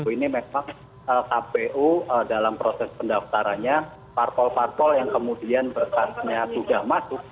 ini memang kpu dalam proses pendaftarannya parpol parpol yang kemudian berkasnya sudah masuk